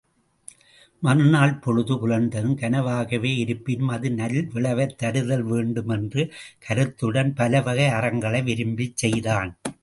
மறுநாள்பொழுது புலர்ந்ததும் கனவாகவே இருப்பினும் அது நல்விளைவைத் தருதல் வேண்டும் என்ற கருத்துடன் பலவகை அறங்களை விரும்பிச் செய்தான்.